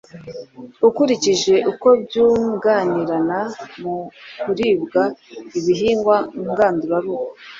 Ukurikije uko byunganirana mu kuribwa ibihingwa ngandurarugo